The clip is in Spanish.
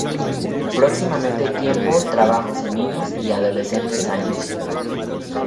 Próximamente tiempo trabajos en Niños y Adolescentes años.